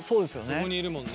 そこにいるもんね。